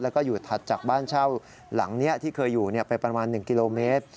แล้วก็อยู่ถัดจากบ้านเช่าหลังนี้ที่เคยอยู่ไปประมาณ๑กิโลเมตร